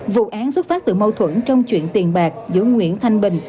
vụ án xuất phát từ mâu thuẫn trong chuyện tiền bạc giữa nguyễn thanh bình